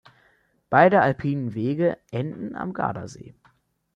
Beide alpinen Wege enden am Gardasee.